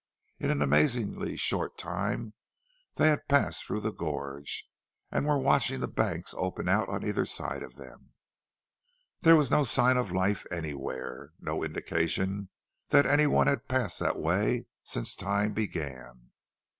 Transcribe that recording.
In an amazingly short time they had passed through the gorge, and were watching the banks open out on either side of them. There was no sign of life anywhere, no indication that any one had passed that way since time began.